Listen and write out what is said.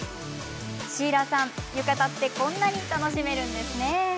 シーラさん、浴衣ってこんなに楽しめるんですね。